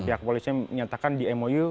pihak kepolisian menyatakan di mou